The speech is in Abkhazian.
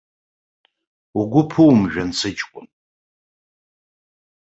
Угәы ԥумжәан, сыҷкәын!